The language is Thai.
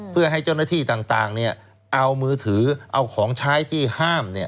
เพื่อให้เจ้าหน้าที่ต่างเอามือถือเอาของใช้ที่ห้าม